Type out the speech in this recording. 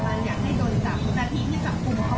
แล้วอยากให้โดนจับ